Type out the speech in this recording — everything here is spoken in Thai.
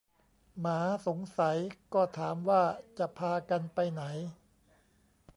หมาสงสัยก็ถามว่าจะพากันไปไหน